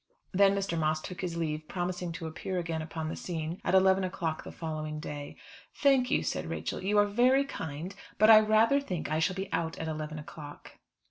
Then Mr. Moss took his leave, promising to appear again upon the scene at eleven o'clock on the following day. "Thank you," said Rachel, "you are very kind, but I rather think I shall be out at eleven o'clock."